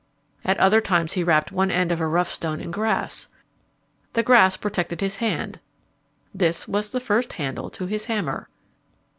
At other times he wrapped one end of a rough stone in grass. The grass protected his hand. This was the first handle to his hammer.